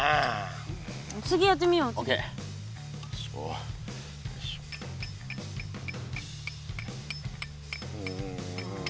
うん。